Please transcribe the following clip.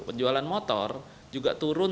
penjualan motor juga turun